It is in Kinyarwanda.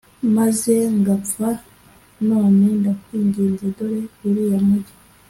maze ngapfa d None ndakwinginze dore uriya mugi